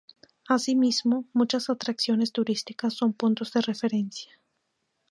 Asimismo, muchas atracciones turísticas son puntos de referencia.